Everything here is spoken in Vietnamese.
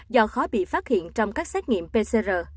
do khó bị phát hiện trong các xét nghiệm pcr